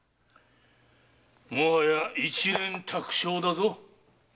もはや一蓮托生だぞ。